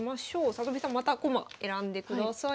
里見さんまた駒選んでください。